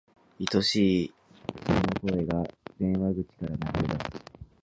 愛しい人の声が、電話口から流れ出す。